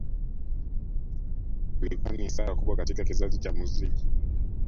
Ilikuwa ni hasara kubwa katika kizazi cha muziki